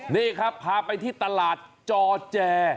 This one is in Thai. นี่ครับพาไปที่ตลาดจอแจ